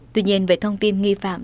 tuy nhiên về thông tin nghi phạm